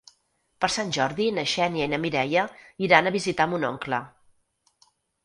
Per Sant Jordi na Xènia i na Mireia iran a visitar mon oncle.